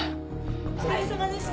お疲れさまでした。